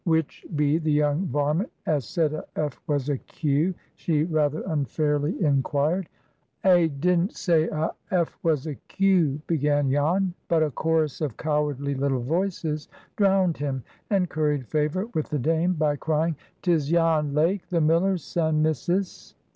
"Which be the young varment as said a F was a Q?" she rather unfairly inquired. "A didn't say a F was a Q"— began Jan; but a chorus of cowardly little voices drowned him, and curried favor with the Dame by crying, "'Tis Jan Lake, the miller's son, missus."